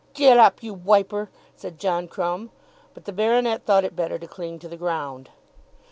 "Get up, you wiper," said John Crumb. But the baronet thought it better to cling to the ground.